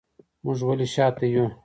موږ ولې شاته یو؟